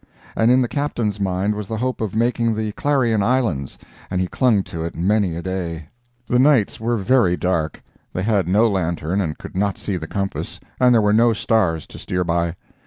And in the Captain's mind was the hope of making the Clarion Islands, and he clung to it many a day. The nights were very dark. They had no lantern and could not see the compass, and there were no stars to steer by.